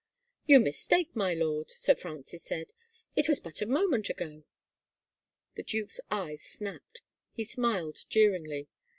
You mistake, my lord," Sir Francis said, " it was but a moment ago." The duke's eyes snapped. He smiled jeeringly.